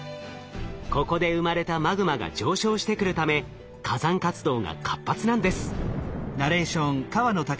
ここで生まれたマグマが上昇してくるため火山活動が活発なんです。